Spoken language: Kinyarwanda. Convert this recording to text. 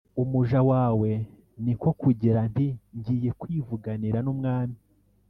umuja wawe ni ko kugira nti ‘Ngiye kwivuganira n’umwami